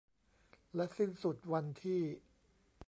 และสิ้นสุดวันที่